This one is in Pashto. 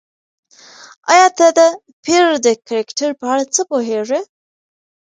ایا ته د پییر د کرکټر په اړه څه پوهېږې؟